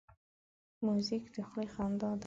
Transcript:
موزیک د خولې خندا ده.